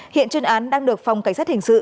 hiện chuyên án đang được phòng cảnh sát hình sự